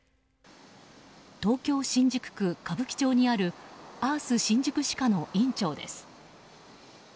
東京・新宿区歌舞伎町にあるあーす新宿歯科の院長です。